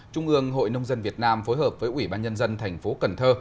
trung ương hội nông dân việt nam phối hợp với ủy ban nhân dân thành phố cần thơ